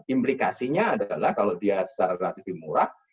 implikasinya adalah kalau dia secara relatif murah